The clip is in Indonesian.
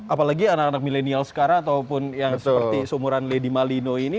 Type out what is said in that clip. apalagi anak anak milenial sekarang ataupun yang seperti seumuran lady malino ini